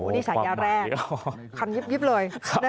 นี่ฉายาแรกคำยิบเลย